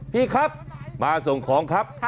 พี่ครับมาส่งของครับ